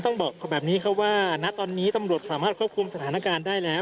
ต้องบอกแบบนี้ครับว่าณตอนนี้ตำรวจสามารถควบคุมสถานการณ์ได้แล้ว